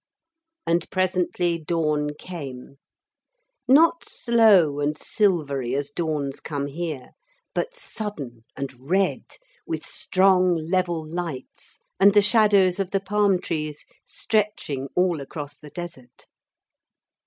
And presently dawn came, not slow and silvery as dawns come here, but sudden and red, with strong level lights and the shadows of the palm trees stretching all across the desert.